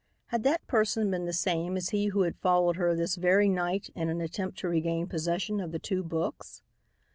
Had that person been the same as he who had followed her this very night in an attempt to regain possession of the two books?